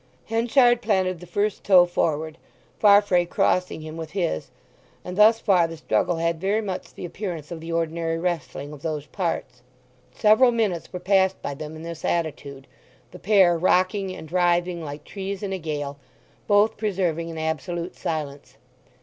Henchard planted the first toe forward, Farfrae crossing him with his; and thus far the struggle had very much the appearance of the ordinary wrestling of those parts. Several minutes were passed by them in this attitude, the pair rocking and writhing like trees in a gale, both preserving an absolute silence.